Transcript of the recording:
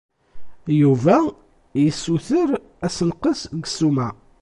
Yuba yessuter assenqes deg ssuma.